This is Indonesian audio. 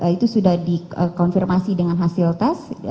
itu sudah dikonfirmasi dengan hasil tes